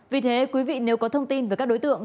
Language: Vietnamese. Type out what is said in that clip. vì thế quý vị nếu có thông tin về các đối tượng